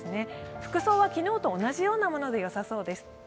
服装は昨日と同じようなものでよさそうです。